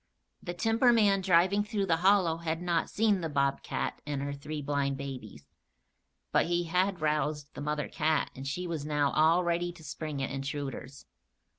The timberman driving through the hollow had not seen the bobcat and her three blind babies; but he had roused the mother cat and she was now all ready to spring at intruders.